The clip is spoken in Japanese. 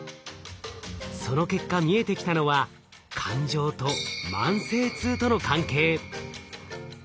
その結果見えてきたのは感情と慢性痛との関係。